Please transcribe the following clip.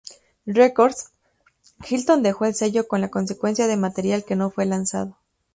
Records, Hilton dejó el sello con la consecuencia de material que no fue lanzado.